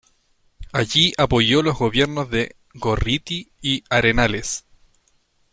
Allí apoyó los gobiernos de Gorriti y Arenales.